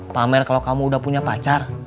pamer kalau kamu udah punya pacar